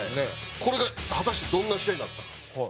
これが果たしてどんな試合になったか。